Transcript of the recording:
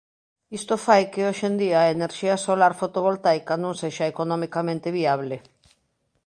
Isto fai que hoxe en día a enerxía solar fotovoltaica non sexa economicamente viable.